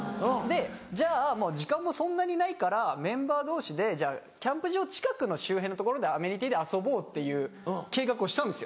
でじゃあもう時間もそんなにないからメンバー同士でキャンプ場近くの周辺の所で遊ぼうっていう計画をしたんですよ。